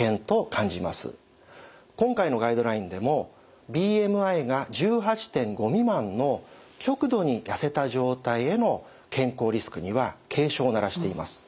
今回のガイドラインでもＢＭＩが１８．５未満の極度にやせた状態への健康リスクには警鐘を鳴らしています。